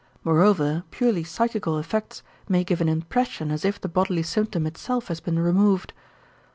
Moreover, purely psychical effects may give an impression as if the bodily symptom itself has been removed.